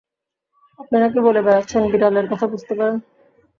আপনি নাকি বলে বেড়াচ্ছেন বিড়ালের কথা বুঝতে পারেন?